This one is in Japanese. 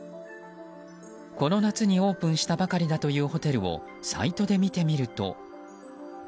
この夏にオープンしたばかりだというホテルをサイトで見てみると。